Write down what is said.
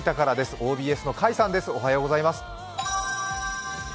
ＯＢＳの甲斐さんです。